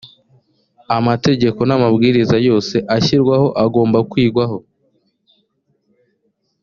amategeko n’amabwiriza yose ashyirwaho agomba kwigwaho